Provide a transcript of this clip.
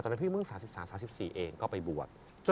ตอนนั้นพี่เมื่อง๓๓๓๔เองก็ไปบวช